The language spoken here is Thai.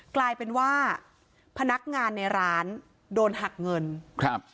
กลายเป็นว่าพนักงานในร้านโดนหักเงินครับ